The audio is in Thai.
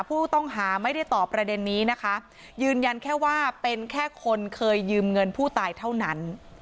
ผู้ต้องหาไม่ได้ตอบประเด็นนี้นะคะยืนยันแค่ว่าเป็นแค่คนเคยยืมเงินผู้ตายเท่านั้น